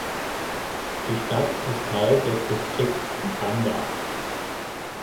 Die Stadt ist Teil des Distrikts Banda.